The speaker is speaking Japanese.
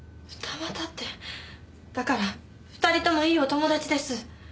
だから２人ともいいお友達です。